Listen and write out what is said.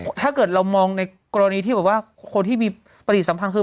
ถ้าเกิดเรามองในกรณีที่แบบว่าคนที่มีปฏิสัมพันธ์คือ